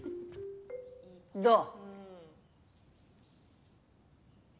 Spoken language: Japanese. どう？